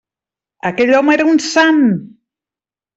Aquell home era un sant!